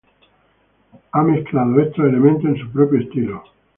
Él ha mezclado estos elementos en su propio estilo.